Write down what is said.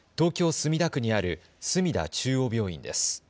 墨田区にある墨田中央病院です。